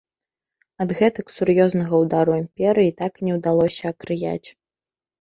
Ад гэтак сур'ёзнага ўдару імперыі так і не ўдалося акрыяць.